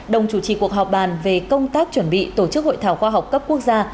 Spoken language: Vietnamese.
đồng chủ trì cuộc họp bàn về công tác chuẩn bị tổ chức hội thảo khoa học cấp quốc gia